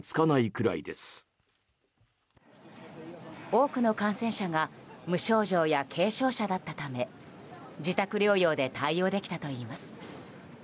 多くの感染者が無症状や軽症者だったため自宅療養で対応できたといいます。